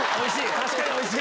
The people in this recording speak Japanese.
確かにおいしい！